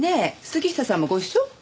杉下さんもご一緒？